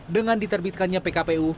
dengan diterbitkannya pkpu